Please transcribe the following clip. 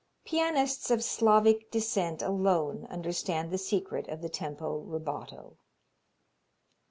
Pianists of Slavic descent alone understand the secret of the tempo rubato.